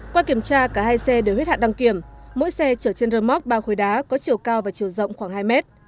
qua kiểm tra cả hai xe đều huyết hạn đăng kiểm mỗi xe chở trên rơi móc ba khối đá có chiều cao và chiều rộng khoảng hai mét